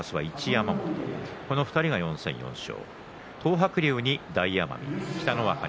この２人が４戦４勝。